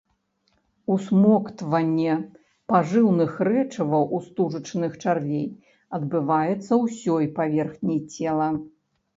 Усмоктванне пажыўных рэчываў у стужачных чарвей адбываецца ўсёй паверхняй цела.